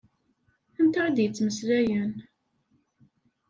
Anta i d-yettmeslayen?